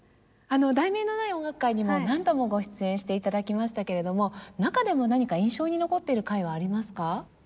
『題名のない音楽会』にも何度もご出演して頂きましたけれども中でも何か印象に残っている回はありますか？